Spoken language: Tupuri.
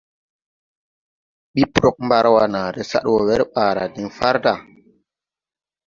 Ɓi prɔg Marwa nããre sad wɔ wɛr ɓaara diŋ farda.